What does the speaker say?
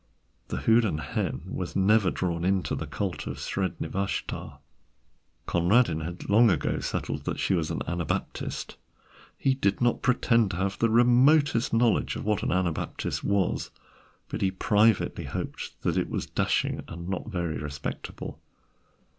The Houdan hen was never drawn into the cult of Sredni Vashtar. Conradin had long ago settled that she was an Anabaptist. He did not pretend to have the remotest knowledge as to what an Anabaptist was, but he privately hoped that it was dashing and not very respectable.